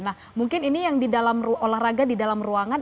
nah mungkin ini yang di dalam olahraga di dalam ruangan